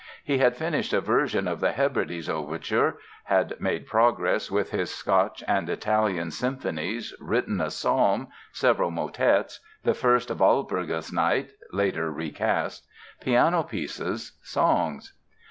He had finished a version of the "Hebrides" Overture, had made progress with his "Scotch" and "Italian" Symphonies, written a Psalm, several motets, the "First Walpurgis Night" (later recast), piano pieces, songs.